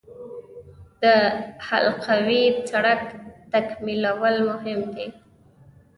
د حلقوي سړک تکمیلول مهم دي